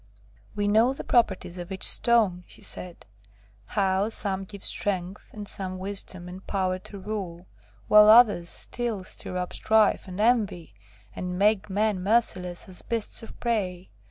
"We know the properties of each stone," he said; "how some give strength, and some wisdom and power to rule, while others still stir up strife and envy, and make men merciless as beasts of prey.